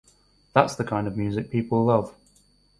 That’s the kind of music people love.